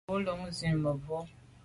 Bin lo zin mebwô.